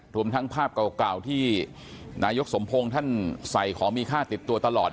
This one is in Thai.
รวมทั้งภาพเก่าที่นายกสมพงศ์ท่านใส่ของมีค่าติดตัวตลอด